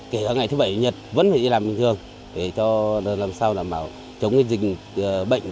kể cả ngày thứ bảy nhật vẫn phải đi làm bình thường để cho làm sao đảm bảo chống cái dịch bệnh